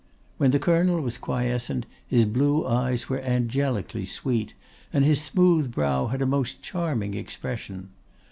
When the Colonel was quiescent, his blue eyes were angelically sweet, and his smooth brow had a most charming expression.